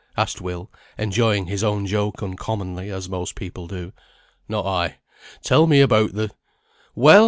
asked Will, enjoying his own joke uncommonly, as most people do. "Not I! Tell me about the " "Well!"